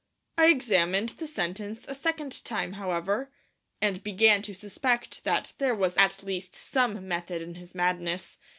I examined the sentence a second time, however, and began to suspect that there was at least some method in his madness.